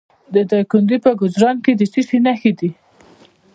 د دایکنډي په کجران کې د څه شي نښې دي؟